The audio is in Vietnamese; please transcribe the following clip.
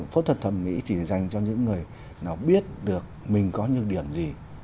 phẫu thuật thẩm mỹ chỉ dành cho những người nào biết được mình có nhược điểm gì